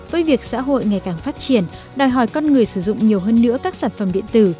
với việc xã hội ngày càng phát triển đòi hỏi con người sử dụng nhiều hơn nữa các sản phẩm điện tử